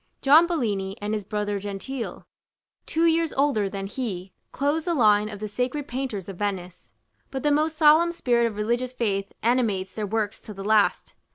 John Bellini, and his brother Gentile, two years older than he, close the line of the sacred painters of Venice. But the most solemn spirit of religious faith animates their works to the last.